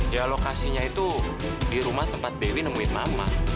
ya lokasinya itu di rumah tempat dewi nemuin mama